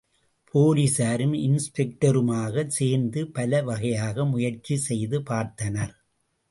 போலீஸாரும், இன்ஸ்பெக்டருமாகச் சேர்ந்து பலவகையாக முயற்சி செய்து பார்த்தனர்.